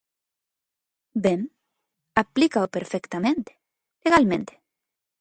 Ben, aplícao perfectamente, legalmente.